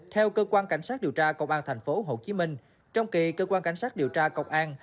theo cơ quan cảnh sát điều tra công an tp hcm trong kỳ cơ quan cảnh sát điều tra công an